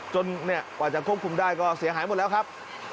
กว่าจะควบคุมได้ก็เสียหายหมดแล้วครับ